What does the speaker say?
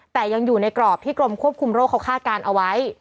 แต่ยังอยู่ในกรอบที่กรมควบคุมโรคเขาคาดการณ์เอาไว้